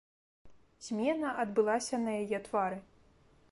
Змена адбылася на яе твары.